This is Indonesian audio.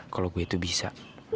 kalau gue itu bisa